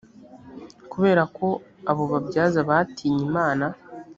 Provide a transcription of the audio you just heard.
kubera ko abo babyaza batinye imana